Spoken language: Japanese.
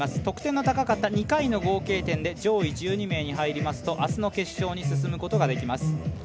得点の高かった２回の合計点で上位１２名に入りますとあすの決勝に進むことができます。